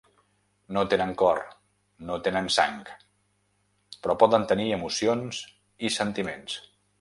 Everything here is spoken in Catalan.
No tenen cor, no tenen sang, però poden tenir emocions i sentiments.